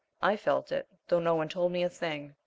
I felt it, though no one told me a thing.